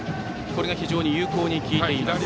これが非常に有効に効いています。